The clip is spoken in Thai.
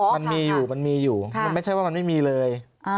มันมีอยู่มันไม่ใช่ว่ามันไม่มีเลย